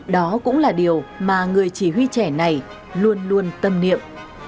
đó cũng là điều mà người chỉ huy trẻ này luôn luôn tâm niệm